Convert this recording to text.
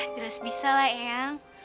jelas bisa lah ea